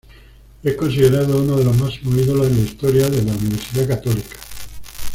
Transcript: Es considerado uno de los máximos ídolos en la historia de Universidad Católica.